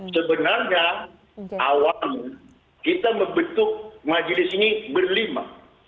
sebenarnya awal kita membentuk majelis ini berlima